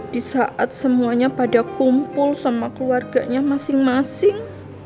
disaat semuanya pada kumpul sama keluarganya masing masing